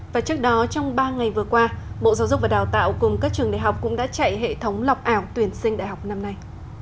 và trước đó trong ba ngày vừa qua bộ giáo dục và đào tạo cùng các trường đại học cũng đã chạy hệ thống lọc ảo tuyển sinh đại học năm nay